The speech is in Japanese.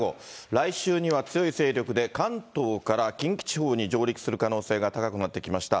来週には強い勢力で関東から近畿地方に上陸する可能性が高くなってきました。